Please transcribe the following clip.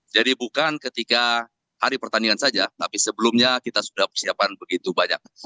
jadi bukan ketika hari pertandingan saja tapi sebelumnya kita sudah persiapan begitu banyak